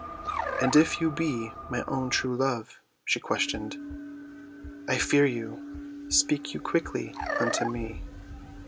"And if you be my own true love," she questioned, "I fear you! Speak you quickly unto me."